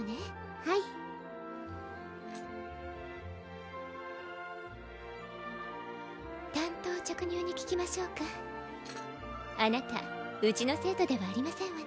はい単刀直入に聞きましょうかあなたうちの生徒ではありませんわね